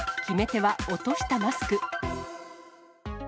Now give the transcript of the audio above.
決め手は落としたマスク。